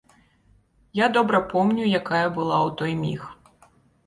Я добра помню, якая была ў той міг.